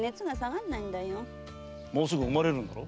もうすぐ産まれるんだろ？